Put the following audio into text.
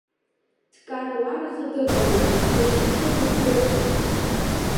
Дкара-уараха дыҟамыз, дышҽыжәыз дыцәеит.